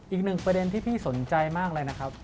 อีกหนึ่งประเด็นที่พี่สนใจมากเลยนะครับ